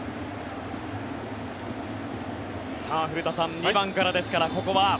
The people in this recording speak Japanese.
古田さん、２番からですからここは。